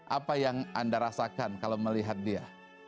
apa yang anda rasakan kalau melihat dia